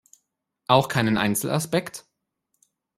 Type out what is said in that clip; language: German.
Auch keinen Einzelaspekt?